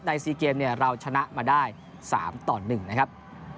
ใน๔เกมเราชนะมาได้๓ต่อ๑นะครับ